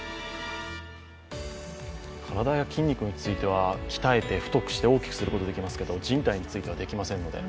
体や筋肉については、鍛えて強く大きくすることができますけど、じん帯についてはできませんので。